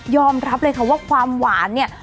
รับเลยค่ะว่าความหวานเนี่ย